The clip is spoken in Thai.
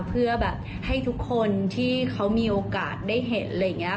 เพื่อแบบให้ทุกคนที่เขามีโอกาสได้เห็น